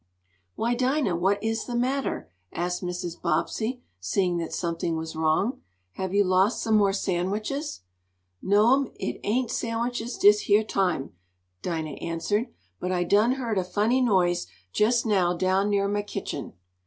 "Why, Dinah! What is the matter?" asked Mrs. Bobbsey, seeing that something was wrong. "Have you lost some more sandwiches?" "No'm, it ain't sandwiches dish yeah time," Dinah answered. "But I done heard a funny noise jest now down near mah kitchen."